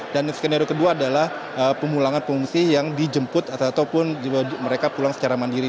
dan skenario kedua adalah pemulangan pengungsi yang dijemput ataupun mereka pulang secara mandiri